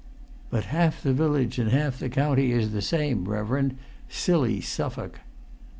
"But half the village and half the county is the same, reverend. Silly Suffolk!"